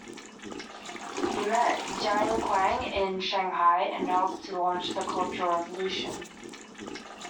He met Jiang Qing in Shanghai and helped to launch the Cultural Revolution.